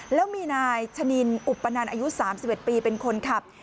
แล้วมีนายชะนินอุปนันอายุ๓๑ปีเป็นคนขับ